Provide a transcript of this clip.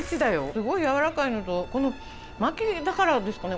スゴいやわらかいのとこのまきだからですかね？